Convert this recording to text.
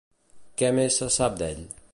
Què més se sap d'ell?